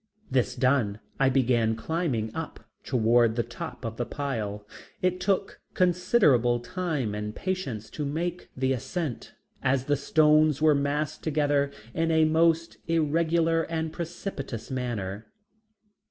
This done I began climbing up toward the top of the pile. It took considerable time and patience to make the ascent, as the stones were massed together in a most irregular and precipitous manner.